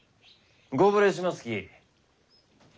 ご無礼しますき。